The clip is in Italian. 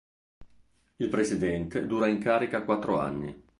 Il presidente dura in carica quattro anni.